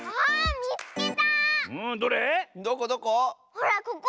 ほらここ。